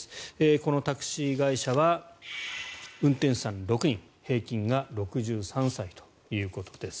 このタクシー会社は運転手さん６人平均が６３歳ということです。